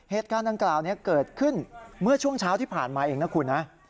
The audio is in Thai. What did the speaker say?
เหตุการณ์ดังกล่าวนี้เกิดขึ้นเมื่อช่วงเช้าที่ผ่านมาเองนะคุณนะ